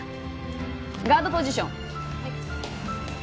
ガードポジション。